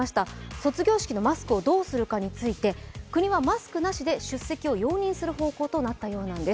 卒業式のマスクをどうするかについて、国はマスクなしで出席を容認する方向となったようなんです。